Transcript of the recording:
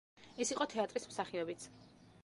ის იყო თეატრის მსახიობიც.